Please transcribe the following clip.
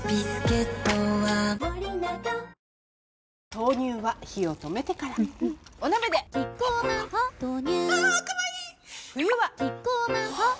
豆乳は火を止めてからうんうんお鍋でキッコーマン「ホッ」豆乳あかわいい冬はキッコーマン「ホッ」